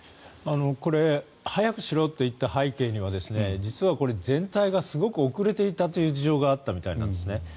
これ早くしろと言った背景には実は全体がすごく遅れていたという事情があったみたいなんですね。